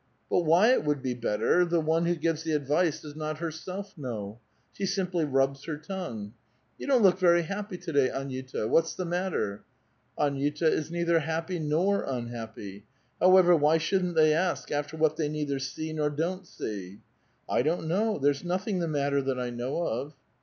But why it would be better, the one who gives the advice does not her self know ; she simply rubs her tongue. ' You don't look very happy to day, Aniuta; what's tlie matter?' Aniuta is neither happj* nor unhappy ; however, why shouldn't they ask after what thev neither see nor don't see? 'I don't know; there's nothing the matter that I know of.'